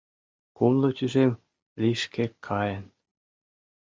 Кумло тӱжем лишке каен.